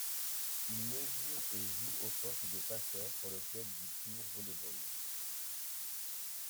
Il mesure et joue au poste de Passeur pour le club du Tours Volley-Ball.